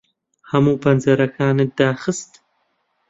ھەموو پەنجەرەکانت داخست؟